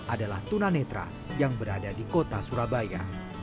adalah tunanetra yang berada di kota surabaya